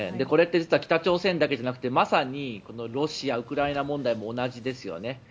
これって実は北朝鮮だけじゃなくてまさにロシア・ウクライナ問題も同じですよね。